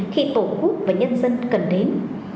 khi tổ quốc và nhân dân cần đến